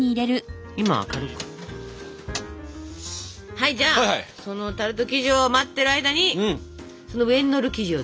はいじゃあそのタルト生地を待ってる間にその上にのる生地を作りましょうね。